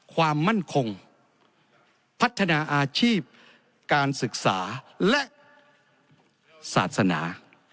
ความมั่นคงพัฒนาอาชีพการศึกษาและศาสนา